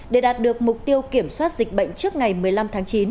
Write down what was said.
để đạt được mục tiêu kiểm soát dịch bệnh trước ngày một mươi năm tháng chín